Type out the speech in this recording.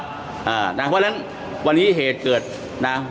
เพราะฉะนั้นวันนี้เหตุเกิดนะ